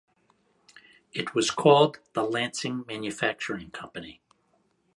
It was called the Lansing Manufacturing Company.